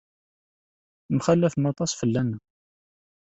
Temxallafem aṭas fell-aneɣ.